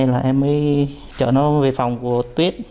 là em mới chở nó về phòng của tuyết